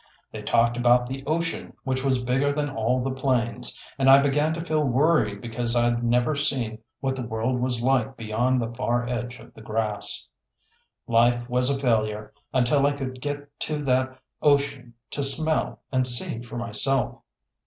They talked about the Ocean which was bigger than all the plains, and I began to feel worried because I'd never seen what the world was like beyond the far edge of the grass. Life was a failure until I could get to that Ocean to smell and see for myself.